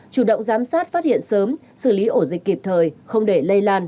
chủ động giám sát phát hiện sớm xử lý ổ dịch kịp thời không để lây lan